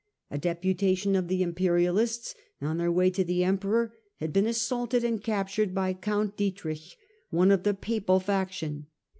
A deputation of the imperialists, on their way to the emperor, had been assaulted and captured by count Dietrich, one of the papal faction.